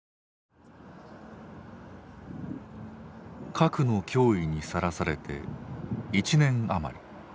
核の脅威にさらされて１年余り。